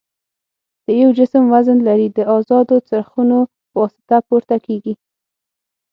د یو جسم وزن لري د ازادو څرخونو په واسطه پورته کیږي.